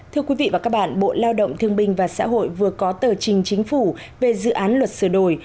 thưa quý vị và các bạn bộ lao động thương binh và xã hội vừa có tờ trình chính phủ về dự án luật sửa đổi